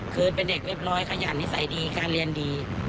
คือเป็นเด็กเรียบร้อยขยันนิสัยดีการเรียนดี